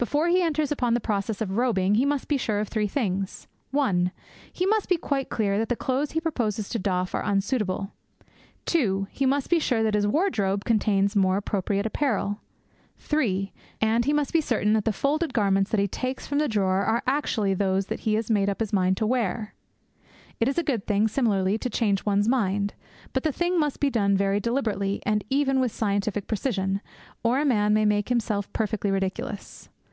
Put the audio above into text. Before he enters upon the process of robing he must be sure of three things: (1) He must be quite clear that the clothes he proposes to doff are unsuitable. (2) He must be sure that his wardrobe contains more appropriate apparel. (3) And he must be certain that the folded garments that he takes from the drawer are actually those that he made up his mind to wear. It is a good thing, similarly, to change one's mind. But the thing must be done very deliberately, and even with scientific precision, or a man may make himself perfectly ridiculous.